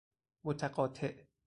متقاطع